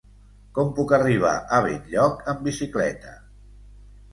Com puc arribar a Benlloc amb bicicleta?